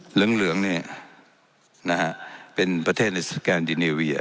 เหลืองเนี่ยนะฮะเป็นประเทศในสแกนดิเนเวีย